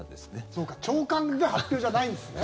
そうか朝刊で発表じゃないんですね。